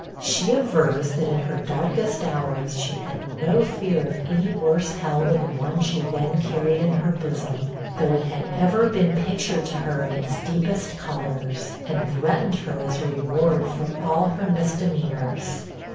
She avers that, in her darkest hours, she had no fear of any worse hell than the one she then carried in her bosom; though it had ever been pictured to her in its deepest colors, and threatened her as a reward for all her misdemeanors.